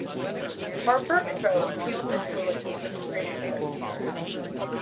Harper and Row appealed this ruling to the Supreme Court.